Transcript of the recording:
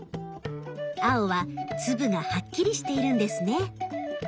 青は粒がはっきりしているんですね。